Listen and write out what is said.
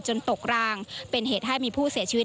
ตกรางเป็นเหตุให้มีผู้เสียชีวิต